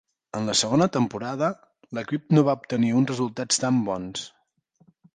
En la segona temporada, l'equip no va obtenir uns resultats tan bons.